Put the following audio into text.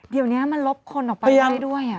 เหมือนมันลบคนออกไปมาได้ด้วย